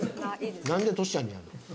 なんでトシちゃんでやるの？